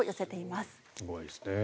すごいですね。